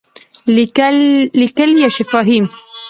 لیکلي یا شفاهی؟